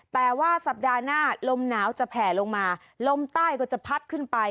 แต่ว่าสัปดาห์หน้าลมหนาวจะแผ่ลงมาลมใต้ก็จะพัดขึ้นไป